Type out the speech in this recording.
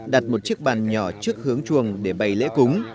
đặt một chiếc bàn nhỏ trước hướng chuồng để bày lễ cúng